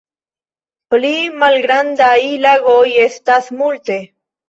Pli malgrandaj lagoj estas multe.